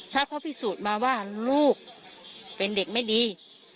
ถ้าเขาพิสูจน์มาว่าลูกเป็นเด็กไม่ดี